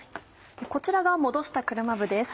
こちらが戻した車麩です。